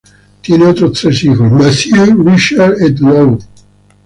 Tiene otros tres hijos: Mathieu, Richard et Lou.